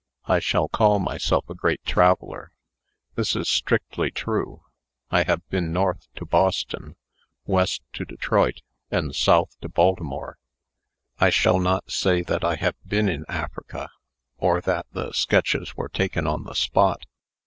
I shall call myself a great traveller. This is strictly true. I have been North to Boston, West to Detroit, and South to Baltimore. I shall not say that I have been in Africa, or that the sketches were taken on the spot.